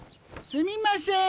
すみません